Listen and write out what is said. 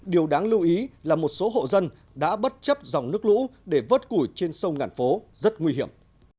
điều đáng lưu ý là một số hộ dân đã bất chấp dòng nước lũ để vớt củi trên sông ngàn phố rất nguy hiểm